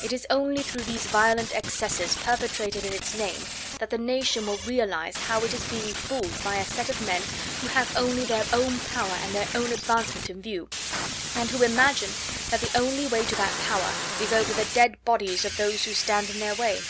It is only through these violent excesses perpetrated in its name that the nation will realise how it is being fooled by a set of men who have only their own power and their own advancement in view, and who imagine that the only way to that power is over the dead bodies of those who stand in their way.